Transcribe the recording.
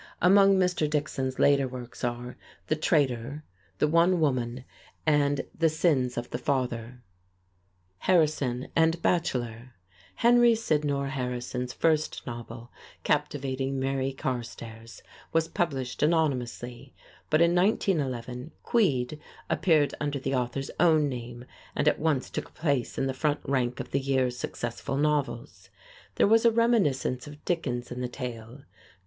Among Mr. Dixon's later books are "The Traitor," "The One Woman," and "The Sins of the Father." [Illustration: CAPT. RUPERT HUGHES] Harrison and Bacheller Henry Sydnor Harrison's first novel, "Captivating Mary Carstairs," was published anonymously, but in 1911 "Queed" appeared under the author's own name, and at once took a place in the front rank of the year's successful novels. There was a reminiscence of Dickens in the tale.